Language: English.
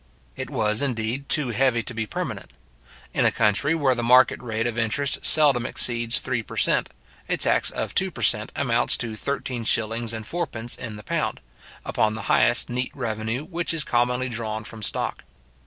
It was, indeed, too heavy to be permanent. In a country where the market rate of interest seldom exceeds three per cent., a tax of two per cent. amounts to thirteen shillings and four pence in the pound, upon the highest neat revenue which is commonly drawn from stock.